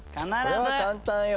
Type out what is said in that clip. これは簡単よ。